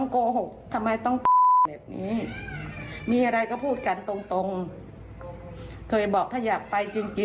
เขาเรียกความเสียหายแค่นั้นแหละ